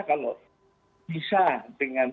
kalau bisa dengan